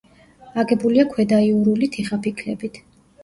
აგებულია ქვედაიურული თიხაფიქლებით.